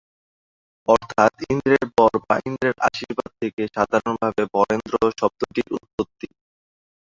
অর্থাৎ ইন্দ্রের বর বা ইন্দ্রের আশীর্বাদ থেকে সাধারণভাবে বরেন্দ্র শব্দটির উৎপত্তি।